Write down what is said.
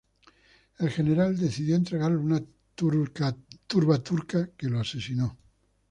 El general decidió entregarlo a una turba turca que lo asesinó.